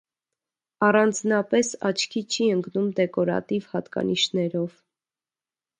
Առանձնապես աչքի չի ընկնում դեկորատիվ հատկանիշներով։